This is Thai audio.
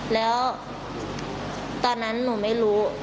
แล้วตอนนั้นหนูไม่รู้